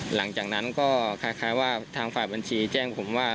หลังจากนั้นก็คล้ายว่าทางฝ่ายบัญชีแจ้งผมว่า